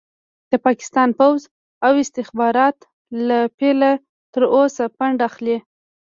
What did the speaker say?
د پاکستان پوځ او استخبارات له پيله تر اوسه فنډ اخلي.